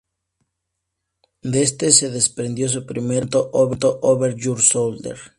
De este se desprendió su primer adelanto, "Over Your Shoulder".